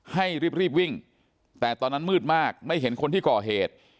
ให้รีบวิ่งแต่ตอนนั้นมืดมากไม่เห็นคนที่ก่อเหตุ